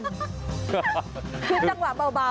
ทุกจังหวะเบา